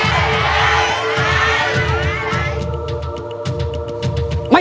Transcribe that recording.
ใช้